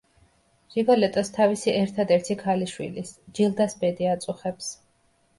რიგოლეტოს თავისი ერთადერთი ქალიშვილის, ჯილდას ბედი აწუხებს.